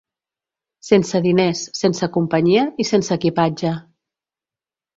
Sense diners, sense companyia i sense equipatge.